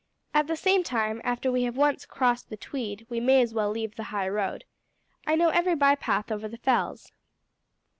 At the same time, after we have once crossed the Tweed, we may as well leave the high road. I know every bypath over the fells."